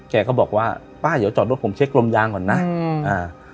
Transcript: แกก็บอกว่าป้าเดี๋ยวจอดรถผมเช็คลมยางก่อนนะอืมอ่า